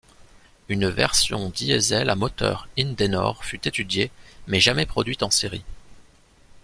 Une version diesel à moteur Indenor fut étudiée, mais jamais produite en série.